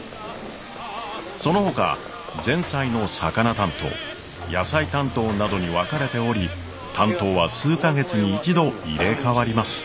そのほか前菜の魚担当野菜担当などに分かれており担当は数か月に一度入れ代わります。